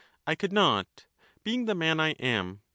I could not, being the man I am.